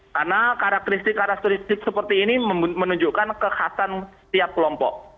karena karakteristik karakteristik seperti ini menunjukkan kekhasan setiap kelompok